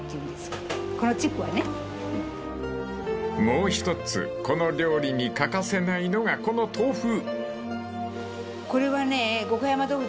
［もうひとつこの料理に欠かせないのがこの豆腐］